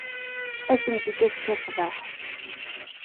Asemt-d azekka ṣṣbeḥ.